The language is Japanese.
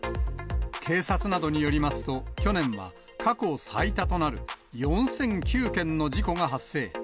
警察などによりますと、去年は、過去最多となる４００９件の事故が発生。